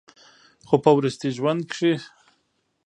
خو پۀ وروستي ژوند کښې